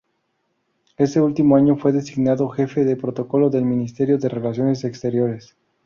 Ese último año, fue designado jefe de Protocolo del Ministerio de Relaciones Exteriores.